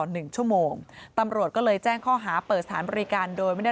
หนึ่งชั่วโมงตำรวจก็เลยแจ้งข้อหาเปิดสถานบริการโดยไม่ได้